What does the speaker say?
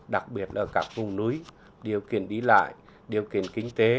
đặc biệt ở các vùng núi điều kiện đi lại điều kiện kinh tế